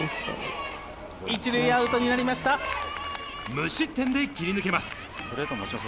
無失点で切り抜けます。